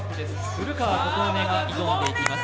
古川琴音が挑んでいきます。